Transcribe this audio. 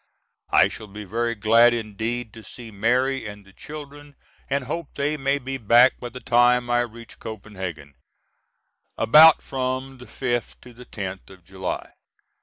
I shall be very glad indeed to see Mary and the children and hope they may be back by the time I reach Copenhagen, about from the fifth to the tenth of July.